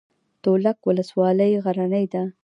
تولک ولسوالۍ غرنۍ ده؟